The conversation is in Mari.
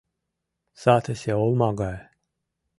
Сатысе олма гае